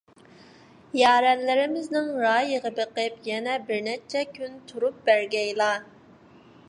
يارەنلىرىمىزنىڭ رايىغا بېقىپ، يەنە بىرنەچچە كۈن تۇرۇپ بەرگەيلا.